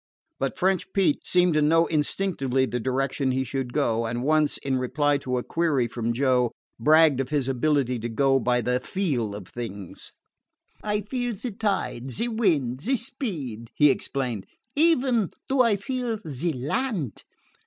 But French Pete seemed to know instinctively the direction he should go, and once, in reply to a query from Joe, bragged of his ability to go by the "feel" of things. "I feel ze tide, ze wind, ze speed," he explained. "Even do I feel ze land.